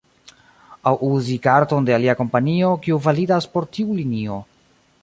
Aŭ uzi karton de alia kompanio, kiu validas por tiu linio.